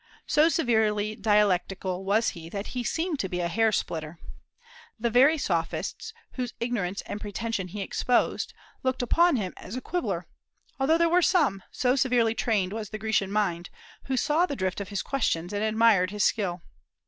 So severely dialectical was he that he seemed to be a hair splitter. The very Sophists, whose ignorance and pretension he exposed, looked upon him as a quibbler; although there were some so severely trained was the Grecian mind who saw the drift of his questions, and admired his skill.